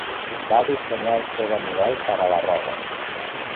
Va dissenyar i fer de model per a la roba.